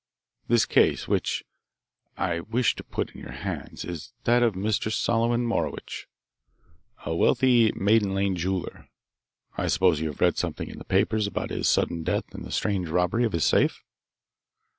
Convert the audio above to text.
This case which I wish to put in your hands is that of Mr. Solomon Morowitch, a wealthy Maiden Lane jeweller. I suppose you have read something in the papers about his sudden death and the strange robbery of his safe?"